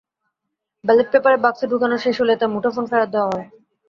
Ballot paper বাক্সে ঢোকানো শেষ হলে তাঁর মুঠোফোন ফেরত দেওয়া হয়।